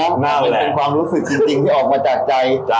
คิดถึงความรู้สึกจริงที่ออกมาจากใจ